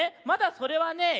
まだそれはね